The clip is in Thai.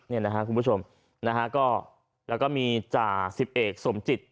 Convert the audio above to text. เนี่ยนะฮะเพื่อนผู้ชมแล้วก็มีจรา๑๑สมจิต